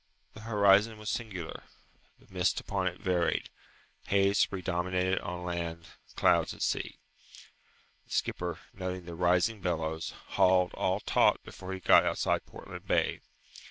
The horizon was singular. The mist upon it varied. Haze predominated on land, clouds at sea. The skipper, noting the rising billows, hauled all taut before he got outside Portland Bay.